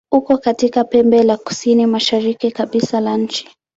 Uko katika pembe la kusini-mashariki kabisa la nchi.